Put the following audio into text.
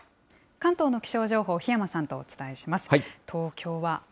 関東の気象情報、檜山さんとお伝えします。